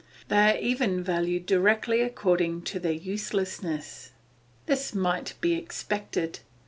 They are even valued directly according to their uselessness. This might be expected.